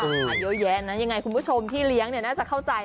เยอะแยะนะยังไงคุณผู้ชมที่เลี้ยงน่าจะเข้าใจ